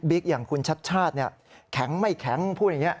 บิ๊กอย่างคุณชัชชาธิเนี่ยแข็งไม่แข็งพูดอย่างนี้